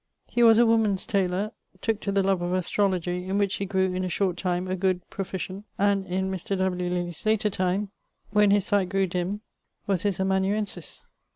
He was a woman's tayler: tooke to the love of astrologie, in which he grew in a short time a good proficient; and in Mr. W. Lilly's later time, when his sight grew dimme, was his amanuensis.